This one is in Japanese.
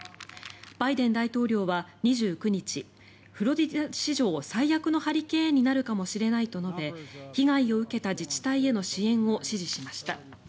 バイデン大統領は２９日フロリダ史上最悪のハリケーンになるかもしれないと述べ被害を受けた自治体への支援を指示しました。